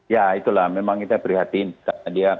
ya itulah memang kita perhatikan